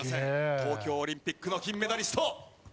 東京オリンピックの金メダリスト。